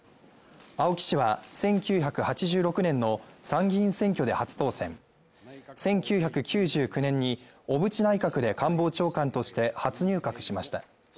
青木氏は１９８６年の参議院選挙で初当選、１９９９年に小渕内閣で官房長官として初入閣しました。